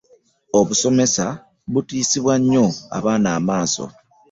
Obusomesa butisibwamu nnyo abaana amaaso.